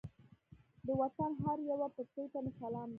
د وطن هر یوه پټکي ته مې سلام دی.